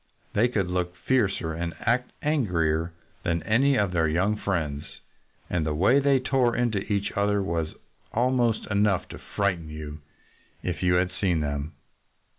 They could look fiercer and act angrier than any of their young friends. And the way they tore into each other was almost enough to frighten you, if you had seen them.